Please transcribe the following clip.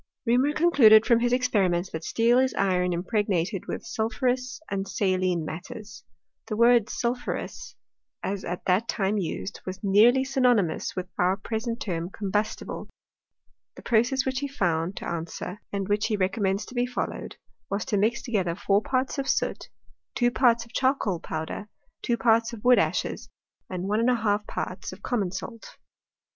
Reaumur concluded from his ex periments, that steel is iron impregnated with sul ' phureotis and saline matters. The word sulphureous, ' as at that time used, was nearly synonymous with our jiresent term combustible. The process which he found to answer, and which he recommends to be followed, was to mix together 4 parts of soot 2 parts of charcoal powder 2 parts of wood ashes 1 J parts of common salt.